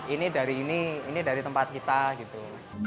ini dari ini ini dari tempat kita gitu